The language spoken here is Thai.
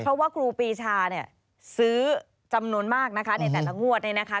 เพราะว่าครูปีชาเนี่ยซื้อจำนวนมากนะคะในแต่ละงวดเนี่ยนะคะ